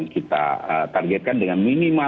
kita targetkan dengan